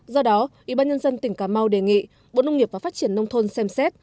do đó ủy ban nhân dân tỉnh cà mau đề nghị bộ nông nghiệp và phát triển nông thôn xem xét